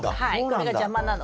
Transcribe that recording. これが邪魔なので。